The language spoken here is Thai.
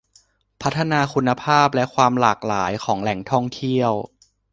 พัฒนาคุณภาพและความหลากหลายของแหล่งท่องเที่ยว